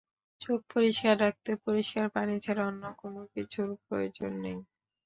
চোখ পরিষ্কার রাখতে পরিষ্কার পানি ছাড়া অন্য কোনো কিছুর প্রয়োজন নেই।